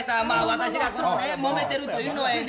私らこのねもめてるというのはやね